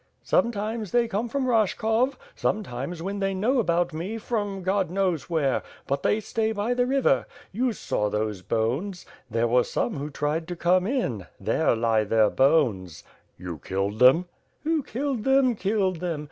"Sometimes they come from Rashkov; sometimes, when they know about me, from God knows where; but they stay by the river. You saw those bones. There were some who tried to come in. There lie their bones." "You killed them?" ^^Who killed them, killed them.